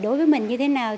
đối với mình như thế nào